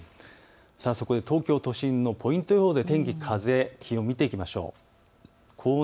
東京都心のポイント予報で天気、風、気温を見ていきましょう。